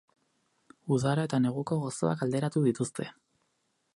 Udara eta neguko gozoak alderatu dituzte.